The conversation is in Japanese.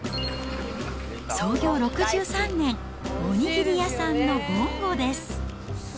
創業６３年、お握り屋さんのぼんごです。